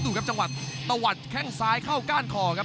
ครับจังหวะตะวัดแข้งซ้ายเข้าก้านคอครับ